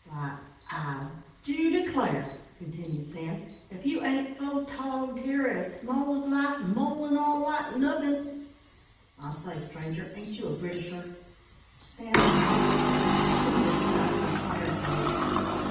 "Why I do declare," continued Sam, "if you ain't photogged here as small as life, mole an' all, like nothin'. I say, stranger, ain't you a Britisher?" Sam again followed up his question with a shot at the fire place.